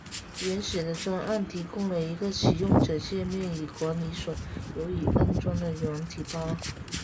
原始的专案提供了一个使用者介面以管理所有已安装的软体包。